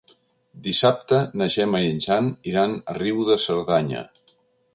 Dissabte na Gemma i en Jan iran a Riu de Cerdanya.